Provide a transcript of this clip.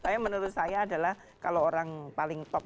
saya menurut saya adalah kalau orang paling top